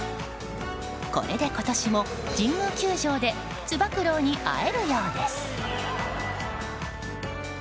これで今年も神宮球場でつば九郎に会えるようです。